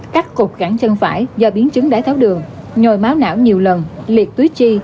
cắt cục gắn chân phải do biến chứng đáy tháo đường nhồi máu não nhiều lần liệt túi chi